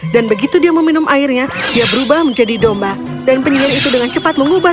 dan begitu dia meminum airnya dia berubah menjadi domba dan penyihir itu dengan cepat mengubah